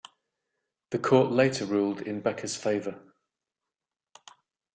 The court later ruled in Becker's favor.